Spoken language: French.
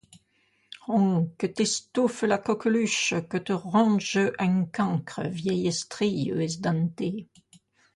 Hon! que t’estouffe la cocqueluche ! que te ronge ung cancre ! vieille estrille esdentée !